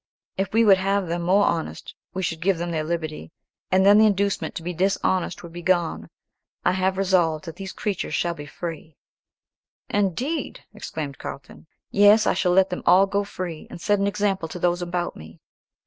If we would have them more honest, we should give them their liberty, and then the inducement to be dishonest would be gone. I have resolved that these creatures shall all be free." "Indeed!" exclaimed Carlton. "Yes, I shall let them all go free, and set an example to those about me."